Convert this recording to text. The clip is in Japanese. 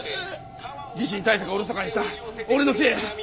地震対策をおろそかにした俺のせいや。